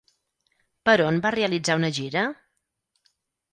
Per on va realitzar una gira?